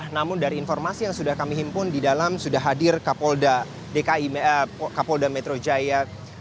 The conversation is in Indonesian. namun dari informasi yang sudah kami himpun di dalam sudah hadir kapolda metro jaya